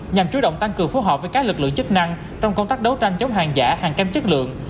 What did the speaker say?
nhằm chú động tăng cường phố họp với các lực lượng chức năng trong công tác đấu tranh chống hàng giả hàng kem chất lượng